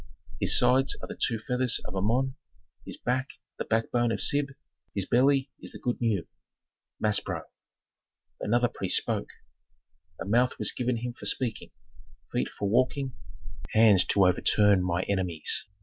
His sides are the two feathers of Amon, his back the backbone of Sib, his belly is the good Nue." Maspero. Another priest spoke, "A mouth was given me for speaking, feet for walking, hands to overturn my enemies.